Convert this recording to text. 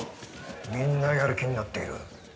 「みんなやる気になっている。